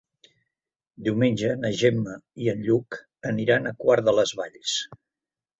Diumenge na Gemma i en Lluc aniran a Quart de les Valls.